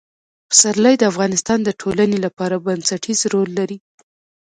پسرلی د افغانستان د ټولنې لپاره بنسټيز رول لري.